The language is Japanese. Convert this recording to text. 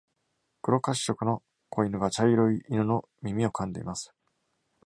黒褐色の子犬が茶色い犬の耳を噛んでいます。